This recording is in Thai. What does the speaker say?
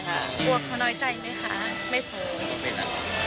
กลัวเขาน้อยใจไหมคะไม่พอ